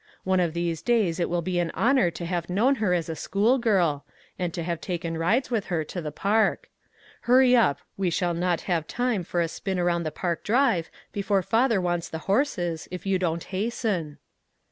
One of these days it will be an honor to have known her as a school girl, and to have taken rides with her to the park. Hurry up. we shall not have time for a spin around the park drive before father wants the horses, if you don't hasten."